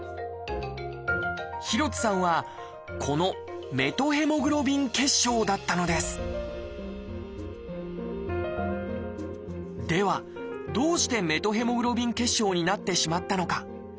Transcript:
廣津さんはこの「メトヘモグロビン血症」だったのですではどうしてメトヘモグロビン血症になってしまったのか。